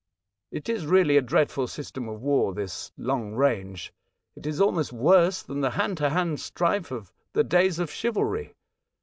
It is really a dreadful system of war — this long range. It is almost worse than the hand to hand strife of the days of chivalry.